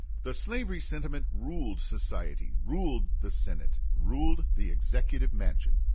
The slavery sentiment ruled society, ruled the Senate, ruled the Executive Mansion.